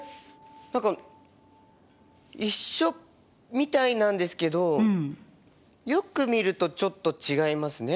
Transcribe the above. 何か一緒みたいなんですけどよく見るとちょっと違いますね。